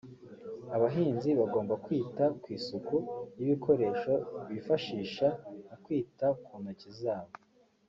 Abahinzi bagomba kwita ku isuku y’ibikoresho bifashisha mu kwita ku ntoki zabo